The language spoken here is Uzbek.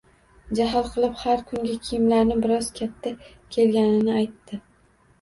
Jahl qilib, har kungi kiyimlari biroz katta kelganini aytdi